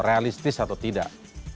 realistis atau tidak